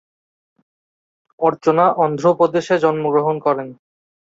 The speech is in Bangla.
অর্চনা অন্ধ্র প্রদেশে জন্মগ্রহণ করেন।